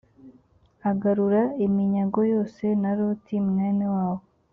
agarura iminyago yose na loti mwene wabo